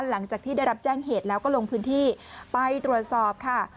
หลังจากที่ได้รับแจ้งเหตุแล้วก็ลงพื้นที่ไปตรวจสอบค่ะ